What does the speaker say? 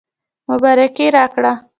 مبارکي راکړه.